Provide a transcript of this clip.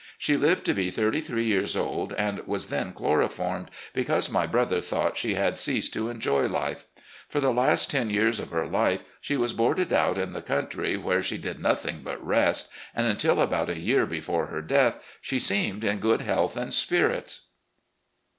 She lived to be thirty three years old, and was then chloroformed, because my brother thought she had ceased to enjoy life. For the last ten years of her life she was boarded out in the country, where she did nothing but rest, and until alSou? a year before her death she seemed in good health and spirits.